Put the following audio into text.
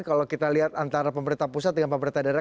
kalau kita lihat antara pemerintah pusat dengan pemerintah daerah